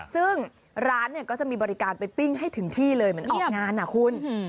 ซึ่งร้านเนี่ยก็จะมีบริการไปปิ้งให้ถึงที่เลยเหมือนออกงานนะคุณ